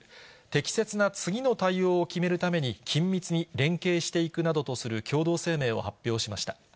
適切な次の対応を決めるために、緊密に連携していくなどとする共同声明を発表しました。